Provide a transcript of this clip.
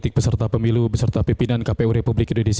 tadi saya ingin meminta kepala wpk